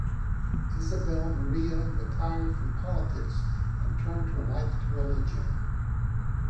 Isabel Maria retired from politics and turned her life to religion.